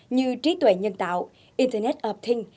như trí tuệ nhân tạo internet of things